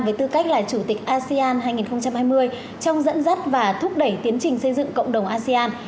với tư cách là chủ tịch asean hai nghìn hai mươi trong dẫn dắt và thúc đẩy tiến trình xây dựng cộng đồng asean